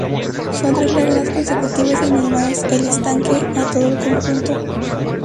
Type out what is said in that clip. Son tres lagunas consecutivas y denominadas "El Estanque" a todo el conjunto.